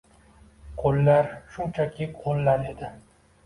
Qo’llar, shunchaki qo’llar edi